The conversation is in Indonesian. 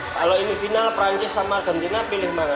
kalau ini final perancis sama argentina pilih mana